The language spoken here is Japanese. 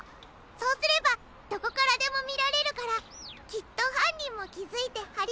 そうすればどこからでもみられるからきっとはんにんもきづいてはりかえにくるわ。